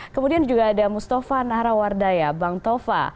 kemudian juga ada mustafa nahrawardaya bang tova